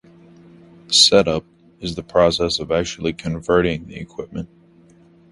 "Set-up" is the process of actually converting the equipment.